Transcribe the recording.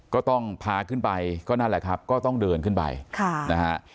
ก็ต้องพาขึ้นไปก็นั่นแหละครับก็ต้องเดินขึ้นไปค่ะนะฮะ